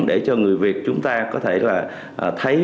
để cho người việt chúng ta có thể là thấy